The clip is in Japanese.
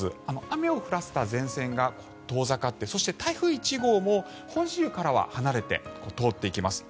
雨を降らせた前線が遠ざかってそして台風１号も本州からは離れて通っていきます。